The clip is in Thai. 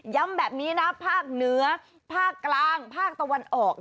แบบนี้นะภาคเหนือภาคกลางภาคตะวันออก